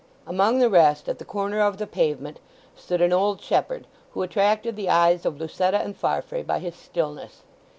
Among the rest, at the corner of the pavement, stood an old shepherd, who attracted the eyes of Lucetta and Farfrae by his stillness.